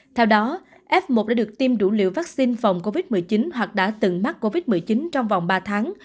theo đó f một đã được tiêm đủ liều vaccine phòng covid một mươi chín hoặc đã từng mắc covid một mươi chín trong vòng ba tháng